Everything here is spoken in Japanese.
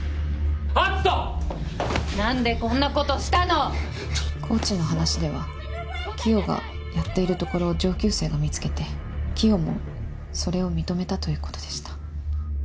何でこんなことしたの⁉コーチの話ではキヨがやっているところを上級生が見つけてキヨもそれを認めたということでした。